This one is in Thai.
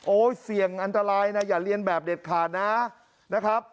เสี่ยงอันตรายนะอย่าเรียนแบบเด็ดขาดนะนะครับ